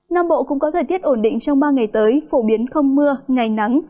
nam bộ cũng có thời tiết ổn định trong ba ngày tới phổ biến không mưa ngày nắng